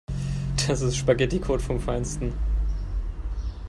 Das ist Spaghetticode vom Feinsten.